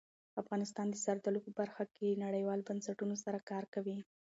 افغانستان د زردالو په برخه کې نړیوالو بنسټونو سره کار کوي.